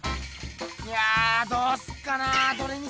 いやどうすっかなどれにすっかな。